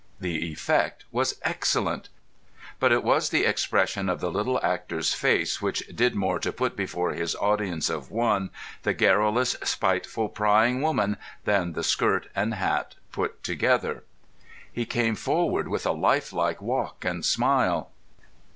The effect was excellent; but it was the expression of the little actor's face which did more to put before his audience of one the garrulous, spiteful, prying woman than the skirt and hat put together. He came forward with a life like walk and smile.